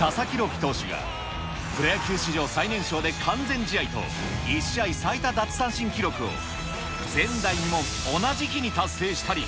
希投手が、プロ野球史上最年少で完全試合と、１試合最多奪三振記録を前代未聞、同じ日に達成したり。